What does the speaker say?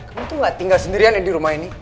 kamu tuh gak tinggal sendirian di rumah ini